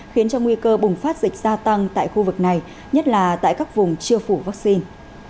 khiến cho nguy cơ bùng phát dịch gia tăng tại khu vực này nhất là tại các vùng chưa phủ vaccine